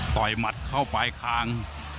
ต่อยมัดเข้าปลายคาง